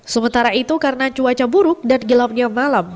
sementara itu karena cuaca buruk dan gelapnya malam